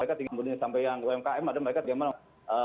mereka tinggal sampai yang umkm maka mereka